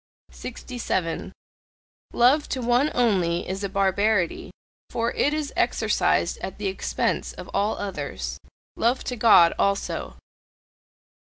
67. Love to one only is a barbarity, for it is exercised at the expense of all others. Love to God also!